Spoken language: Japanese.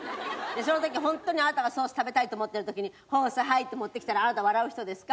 その時ホントにあなたがソース食べたいと思ってる時に「ホースはい」って持ってきたらあなた笑う人ですか？